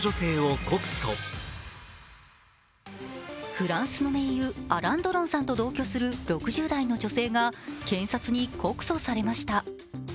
フランスの名優アラン・ドロンさんと同居する６０代の女性が検察に告訴されました。